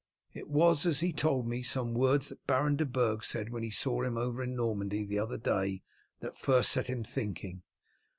It was, as he told me, some words that Baron de Burg said when he saw him over in Normandy the other day that first set him thinking.